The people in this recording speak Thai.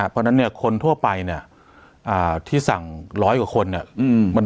เพราะฉะนั้นเนี่ยคนทั่วไปเนี่ยที่สั่งร้อยกว่าคนเนี่ย